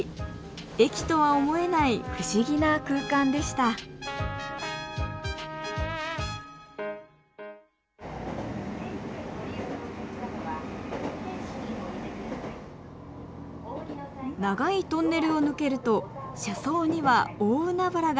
駅とは思えない不思議な空間でした長いトンネルを抜けると車窓には大海原が広がります